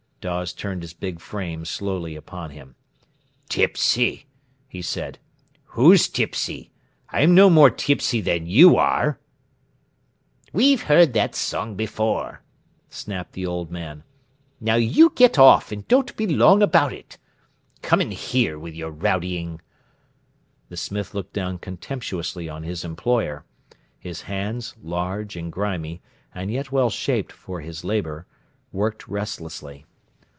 Dawes turned his big frame slowly upon him. "Tipsy!" he said. "Who's tipsy? I'm no more tipsy than you are!" "We've heard that song before," snapped the old man. "Now you get off, and don't be long about it. Comin' here with your rowdying." The smith looked down contemptuously on his employer. His hands, large, and grimy, and yet well shaped for his labour, worked restlessly.